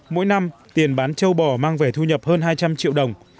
mỗi năm tiền bán châu bò mang về thu nhập hơn hai trăm linh triệu đồng